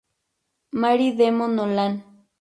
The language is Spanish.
Mary Damon Nolan.